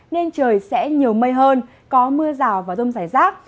nên trời sẽ nhiều mây hơn có mưa rào và rông rải rác